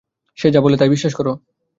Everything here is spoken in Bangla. যে যা বলে তাই বিশ্বাস কর?